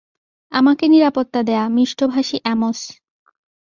আমাকে নিরাপত্তা দেয়া, মিষ্টভাষী অ্যামোস।